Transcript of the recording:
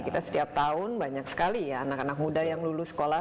kita setiap tahun banyak sekali ya anak anak muda yang lulus sekolah